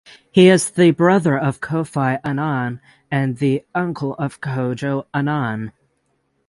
He is the brother of Kofi Annan and the uncle of Kojo Annan.